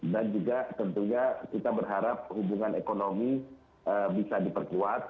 dan juga tentunya kita berharap hubungan ekonomi bisa diperkuat